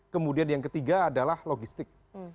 kemudian yang ketiga adalah logistik